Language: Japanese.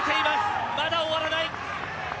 まだ終わらない。